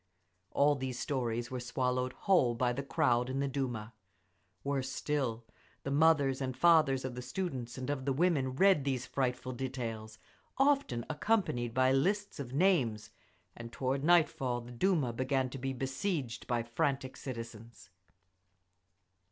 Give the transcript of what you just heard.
All these stories were swallowed whole by the crowd in the Duma. And worse still, the mothers and fathers of the students and of the women read these frightful details, often accompanied by lists of names, and toward nightfall the Duma began to be besieged by frantic citizens….